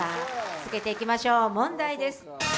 続けていきましょう、問題です。